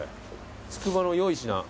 「つくばの良い品」